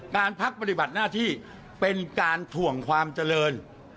การพักปฏิบัติหน้าที่เป็นการถ่วงความเจริญ